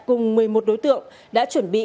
cùng một mươi một đối tượng đã chuẩn bị